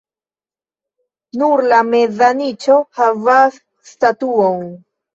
Nur la meza niĉo havas statuon.